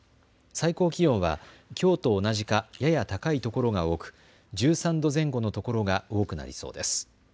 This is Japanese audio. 最高気温はきょうと同じかやや高いところが多く１３度前後のところが多くなりそうです。